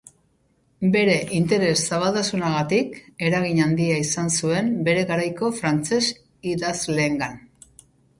Bere interes-zabaltasunagatik eragin handia izan zuen bere garaiko frantses idazleengan.